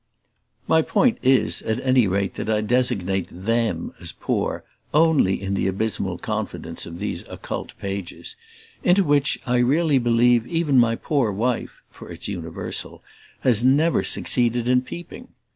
My point is, at any rate, that I designate THEM as Poor only in the abysmal confidence of these occult pages: into which I really believe even my poor wife for it's universal! has never succeeded in peeping.